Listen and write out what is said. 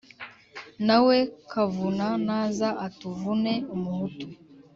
na we kavuna naza atuvune umuhutu.